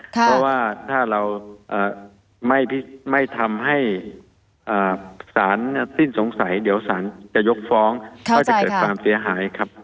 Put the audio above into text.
เพราะว่าถ้าเราไม่ทำให้สารสิ้นสงสัยเดี๋ยวสารจะยกฟ้องก็จะเกิดความเสียหายครับ